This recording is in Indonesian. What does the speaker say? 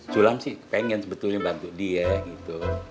sulam sih pengen sebetulnya bantu dia gitu